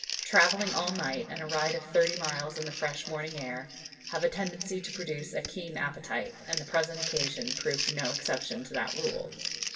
Travelling all night, and a ride of thirty miles in the fresh morning air, have a tendency to produce a keen appetite; and the present occasion proved no exception to that rule.